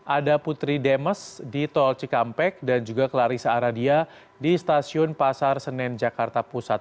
ada putri demes di tol cikampek dan juga clarissa aradia di stasiun pasar senen jakarta pusat